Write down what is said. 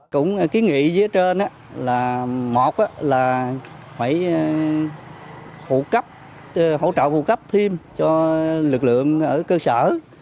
cũng ký nghĩa dưới trên là một là phải hỗ trợ phụ cấp thêm cho lực lượng ở cơ sở